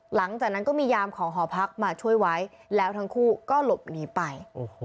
หลังจากนั้นก็มียามของหอพักมาช่วยไว้แล้วทั้งคู่ก็หลบหนีไป